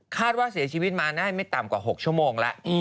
ว่าเสียชีวิตมาได้ไม่ต่ำกว่า๖ชั่วโมงแล้ว